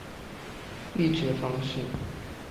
议决方式